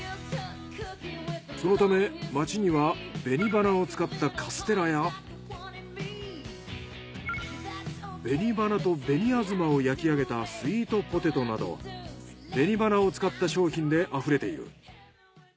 そのため町にはべに花を使ったカステラやべに花とべにあずまを焼き上げたスイートポテトなどべに花を使った商品であふれている。